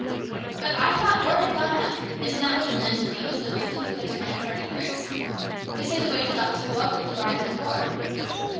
" But I thought ore had gone up. Isn't that what the men claim as the reason for their demand for an increase? They say the wages ought to go up with the rise in ore."